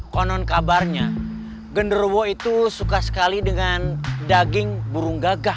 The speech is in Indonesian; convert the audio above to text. konon kabarnya genderuwo itu suka sekali dengan daging burung gagah